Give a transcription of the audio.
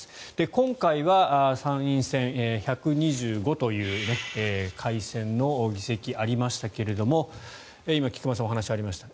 今回は参院選１２５という改選の議席がありましたが今、菊間さんのお話にもありました